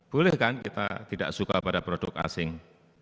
boleh kan kita tidak suka pada produk asing